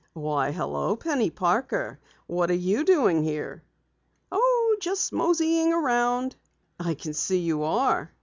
"Why, hello, Penny Parker. What are you doing here?" "Oh, just moseying around." "I can see you are!"